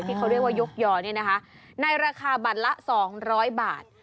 ที่เขาเรียกว่ายกยอในราคาบัตรละ๒๐๐บาท